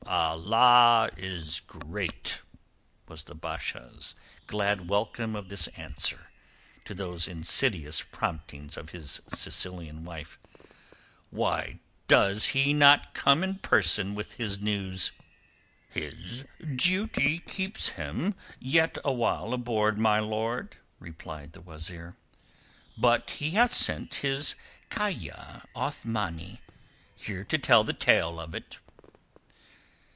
"Allah is great," was the Basha's glad welcome of this answer to those insidious promptings of his Sicilian wife. "Why does he not come in person with his news?" "His duty keeps him yet awhile aboard, my lord," replied the wazeer. "But he hath sent his kayia Othmani here to tell the tale of it."